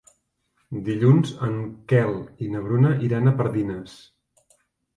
Dilluns en Quel i na Bruna iran a Pardines.